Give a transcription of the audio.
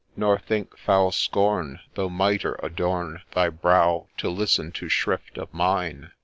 4 Nor think foul scorn, though mitre adorn Thy brow, to listen to shrift of mine